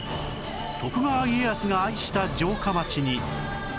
徳川家康が愛した城下町に